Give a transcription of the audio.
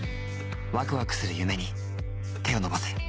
ワクワクする夢に手を伸ばせ。